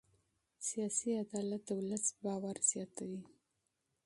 سیاسي عدالت د ولس باور زیاتوي